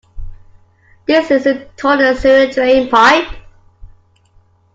This is a toilet sewer drain pipe.